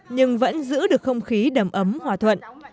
nhưng vẫn giữ được không khí đầm ấm hòa thuận